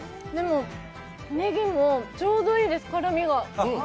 でも、ねぎもちょうどいいです、辛みが。